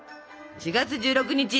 ４月１６日。